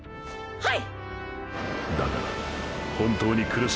はい！！